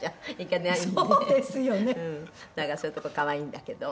「なんかそういうとこ可愛いんだけど」